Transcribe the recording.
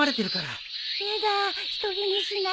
やだ一人にしないでよ。